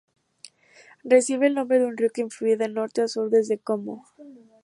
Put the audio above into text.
Recibe el nombre de un río que fluye de norte a sur desde Como.